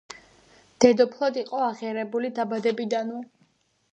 დედოფლად იყო აღიარებული დაბადებიდანვე.